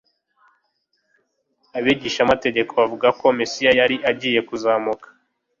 Abigishamategeko bavugaga ko Mesiya yari agiye kuzamura